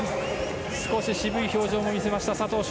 少し渋い表情も見せた佐藤翔